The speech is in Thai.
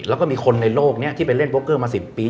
แล้วก็มีคนในโลกนี้ที่ไปเล่นโกเกอร์มา๑๐ปี